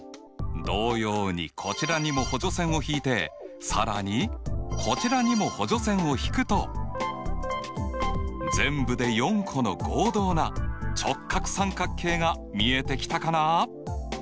同様にこちらにも補助線を引いて更にこちらにも補助線を引くと全部で４個の合同な直角三角形が見えてきたかな？